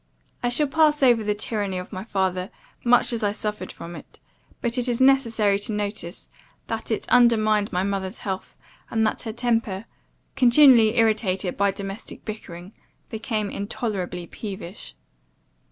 I shall pass over the tyranny of my father, much as I suffered from it; but it is necessary to notice, that it undermined my mother's health; and that her temper, continually irritated by domestic bickering, became intolerably peevish.